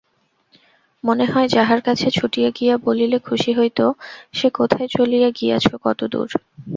মনে হয় যাহার কাছে ছুটিয়া গিয়া বলিলে খুশি হইত, সে কোথায় চলিয়া গিয়াছো-কতদূর!